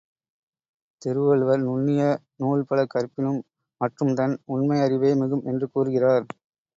திருவள்ளுவர், நுண்ணிய நூல்பல கற்பினும் மற்றும்தன் உண்மை அறிவே மிகும் என்று கூறுகிறார்.